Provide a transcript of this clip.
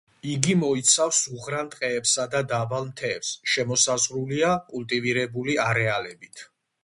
იგი მოიცავს უღრან ტყეებსა და დაბალ მთებს, შემოსაზღვრულია კულტივირებული არეალებით.